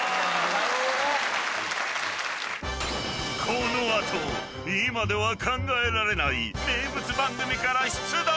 ［この後今では考えられない名物番組から出題］